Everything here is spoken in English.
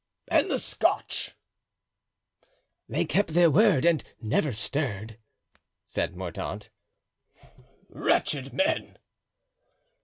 "And the Scotch?" "They kept their word and never stirred," said Mordaunt. "Wretched men!"